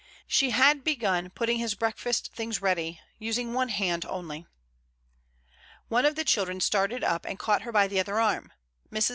She began putting his breakfast things ready, using one hand only. One of the children started up and caught her by the other arm. Mrs.